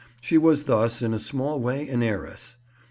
She was thus, in a small way, an heiress.